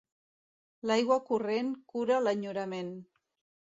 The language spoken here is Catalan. L'aigua corrent cura l'enyorament.